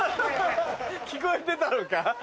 聞こえてたのか？